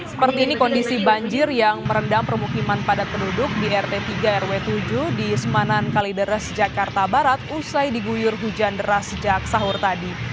seperti ini kondisi banjir yang merendam permukiman padat penduduk di rt tiga rw tujuh di semanan kalideres jakarta barat usai diguyur hujan deras sejak sahur tadi